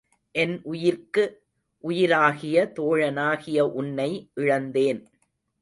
என் உயிர்க்கு உயிராகிய தோழனாகிய உன்னை இழந்தேன்.